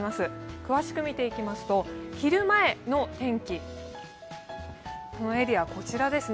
詳しく見ていきますと、昼前の天気このエリア、こちらですね